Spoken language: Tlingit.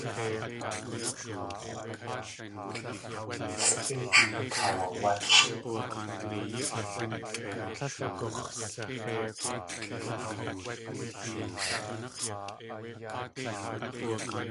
Sʼíxʼ akaawawálʼ.